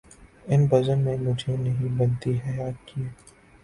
اس بزم میں مجھے نہیں بنتی حیا کیے